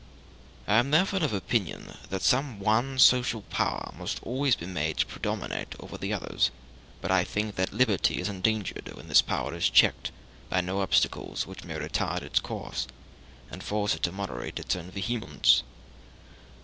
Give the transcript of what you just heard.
I am therefore of opinion that some one social power must always be made to predominate over the others; but I think that liberty is endangered when this power is checked by no obstacles which may retard its course, and force it to moderate its own vehemence.